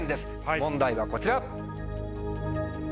問題はこちら。